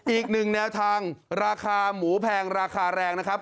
อีกหนึ่งแนวทางราคาหมูแพงราคาแรงนะครับ